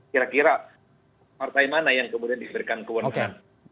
kira kira partai mana yang kemudian diberikan kewenangan